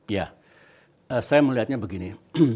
ya saya melihatnya begini